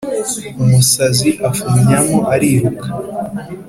umusazi afumyamo ariruka !